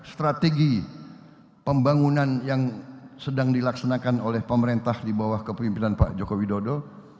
strategi pembangunan yang sedang dilaksanakan oleh pemerintah di bawah kepemimpinan pak joko widodo